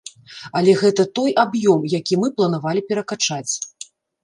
Але гэта той аб'ём, які мы планавалі перакачаць.